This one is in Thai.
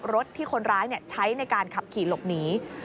รถที่คนร้ายใช้ในการขับขี่หลบหนี